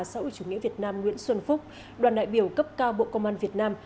sau ủy chủ nghĩa việt nam nguyễn xuân phúc đoàn đại biểu cấp cao bộ công an việt nam